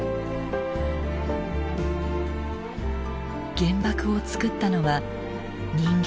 原爆をつくったのは人間。